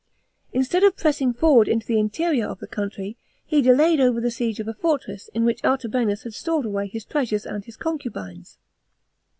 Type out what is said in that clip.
Instead of pressing forward into the interior of the country, he delayed over the siege of a fortress in which Artabanus had stored away his treasures and his concubines.